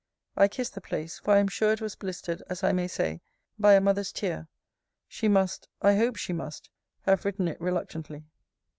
I kissed the place; for I am sure it was blistered, as I may say, by a mother's tear! She must (I hope she must) have written it reluctantly.